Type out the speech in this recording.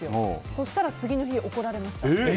そしたら次の日、怒られました。